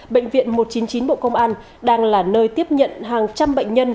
bệnh viện một trăm chín mươi chín bộ công an đang là nơi tiếp nhận hàng trăm bệnh nhân